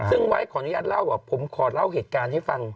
ซึ่งไว้ขออนุญาตเล่าว่าผมขอเล่าเหตุการณ์ให้ฟัง